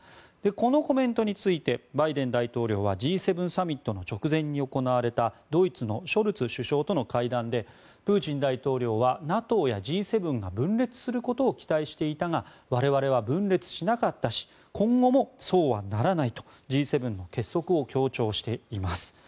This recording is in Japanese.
このコメントについてバイデン大統領はＧ７サミットの直前に行われたドイツのショルツ首相との会談でプーチン大統領はＮＡＴＯやＧ７が分裂することを期待していたが我々は分裂しなかったし今後もそうはならないとＧ７の結束を強調しています。